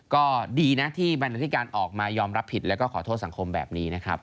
ก็ดีนะที่บรรณาธิการออกมายอมรับผิดแล้วก็ขอโทษสังคมแบบนี้นะครับ